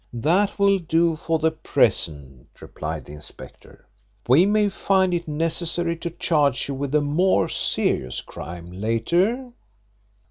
"That will do for the present," replied the inspector. "We may find it necessary to charge you with a more serious crime later."